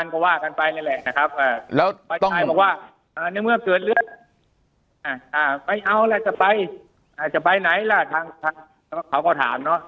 เขาก็ถาม